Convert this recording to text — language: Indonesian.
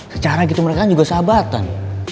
secara gitu mereka juga sahabatan